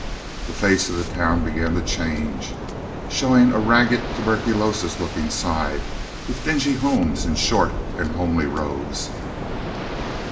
The face of the town began to change, showing a ragged tuberculous looking side with dingy homes in short and homely rows.